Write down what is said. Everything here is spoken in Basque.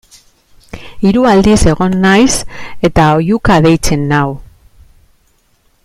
Hiru aldiz egon naiz eta oihuka deitzen nau.